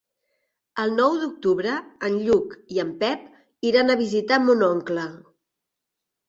El nou d'octubre en Lluc i en Pep iran a visitar mon oncle.